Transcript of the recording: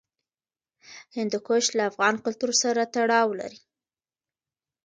هندوکش له افغان کلتور سره تړاو لري.